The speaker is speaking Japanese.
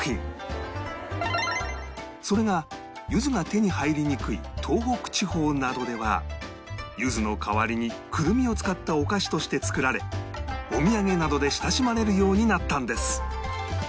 それが柚子が手に入りにくい東北地方などでは柚子の代わりにくるみを使ったお菓子として作られお土産などで親しまれるようになったんです